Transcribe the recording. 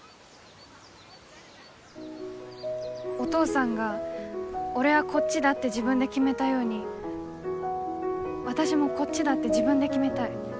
お父さんが俺はこっちだって自分で決めたように私もこっちだって自分で決めたい。